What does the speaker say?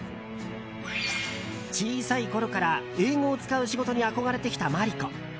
小さいころから英語を使う仕事に憧れてきた真理子。